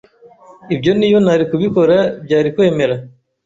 Ibyo niyo nari kubikora byarikwemera